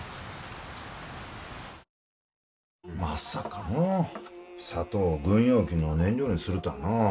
まさかのう砂糖を軍用機の燃料にするたあのう。